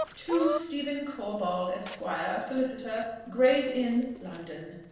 "TO STEPHEN CORBOLD, ESQ. SOLICITOR, GRAY'S INN, LONDON.